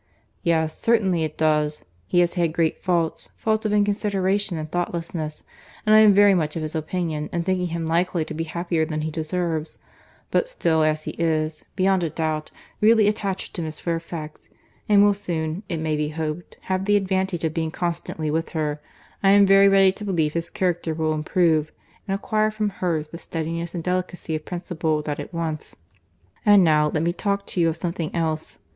"Yes, certainly it does. He has had great faults, faults of inconsideration and thoughtlessness; and I am very much of his opinion in thinking him likely to be happier than he deserves: but still as he is, beyond a doubt, really attached to Miss Fairfax, and will soon, it may be hoped, have the advantage of being constantly with her, I am very ready to believe his character will improve, and acquire from hers the steadiness and delicacy of principle that it wants. And now, let me talk to you of something else.